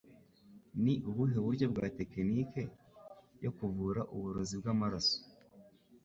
Ni ubuhe buryo bwa Tekinike yo Kuvura Uburozi Bwamaraso?